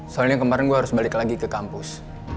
soalnya kemarin gue harus balik lagi ke kampus